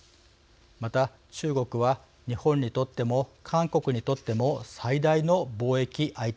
また中国は日本にとっても韓国にとっても最大の貿易相手国です。